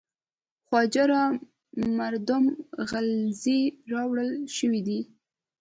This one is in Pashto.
خواجه را مردم غلزی راوړل شوی دی.